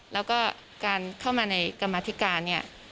แล้วก็การเข้ามาในกรรมธิการเนี่ย